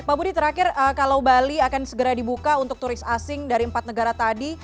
pak budi terakhir kalau bali akan segera dibuka untuk turis asing dari empat negara tadi